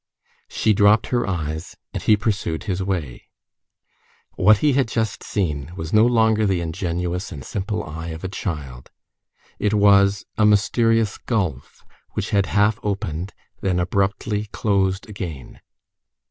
She dropped her eyes, and he pursued his way. What he had just seen was no longer the ingenuous and simple eye of a child; it was a mysterious gulf which had half opened, then abruptly closed again.